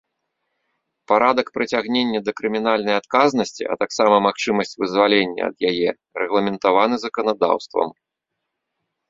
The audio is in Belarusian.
Парадак прыцягнення да крымінальнай адказнасці, а таксама магчымасць вызвалення ад яе рэгламентаваны заканадаўствам.